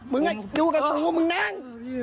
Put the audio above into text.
รูกัจโถมึงนั่ง